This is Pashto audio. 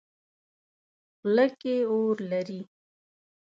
خوله کې اور لري.